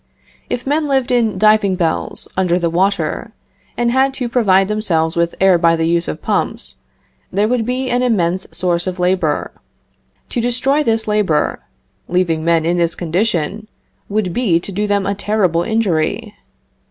If men lived in diving bells, under the water, and had to provide themselves with air by the use of pumps, there would be an immense source of labor. To destroy this labor, leaving men in this condition, would be to do them a terrible injury.